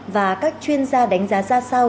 và các chuyên gia đánh giá ra sao